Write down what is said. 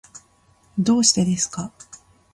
どうしてですか。